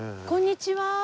こんにちは。